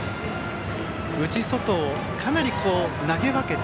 内、外をかなり投げ分けて。